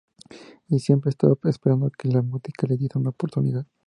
Y siempre estaba esperando que la música le diese una oportunidad.